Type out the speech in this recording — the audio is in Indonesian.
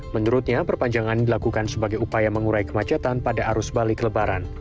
menurutnya perpanjangan dilakukan sebagai upaya mengurai kemacetan pada arus balik lebaran